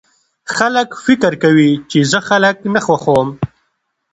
خلک فکر کوي چې زه خلک نه خوښوم